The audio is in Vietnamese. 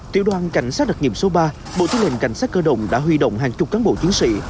tiểu đoàn cảnh sát đặc nghiệm số ba bộ tư lệnh cảnh sát cơ động đã huy động hàng chục cán bộ chiến sĩ